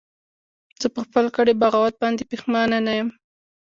زه په خپل کړي بغاوت باندې پښیمانه نه یم